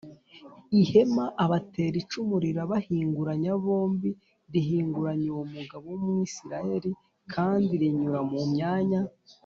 ihema abatera icumu rirabahinguranya bombi rihinguranya uwo mugabo w Umwisirayeli kandi rinyura mu myanya